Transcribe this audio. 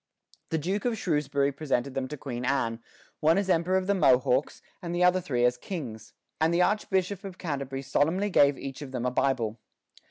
The Duke of Shrewsbury presented them to Queen Anne, one as emperor of the Mohawks, and the other three as kings, and the Archbishop of Canterbury solemnly gave each of them a Bible.